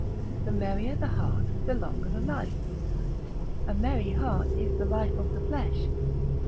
The merrier the heart the longer the life; A merry heart is the life of the flesh, Prov.